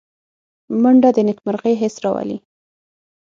منډه د نېکمرغۍ حس راولي